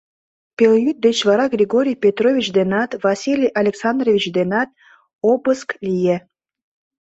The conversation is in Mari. Пелйӱд деч вара Григорий Петрович денат, Василий Александрович денат обыск лие.